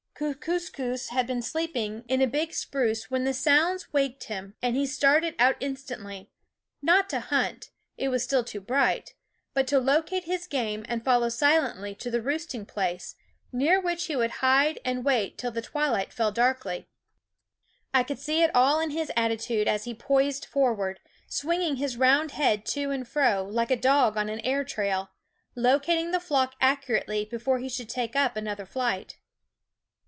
Kookooskoos had been sleeping in a big 122 W SCHOOL Of spruce when the sounds waked him, and he started out instantly, not to hunt it was still too bright but to locate his game and follow silently to the roosting place, near which he would hide and wait till the twi light fell darkly. I could see it all in his attitude as he poised forward, swinging his round head to and fro, like a dog on an air trail, locating the flock accurately before he should take another flight.